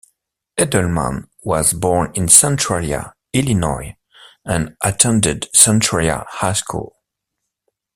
Eddleman was born in Centralia, Illinois, and attended Centralia High School.